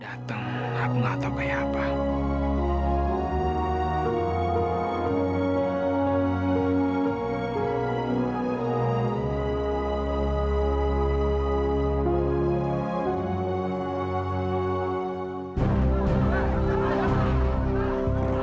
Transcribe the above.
datang aku nggak tahu kayak apa